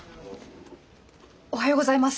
おはようございます！